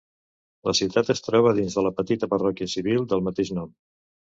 La ciutat es troba dins de la petita parròquia civil del mateix nom.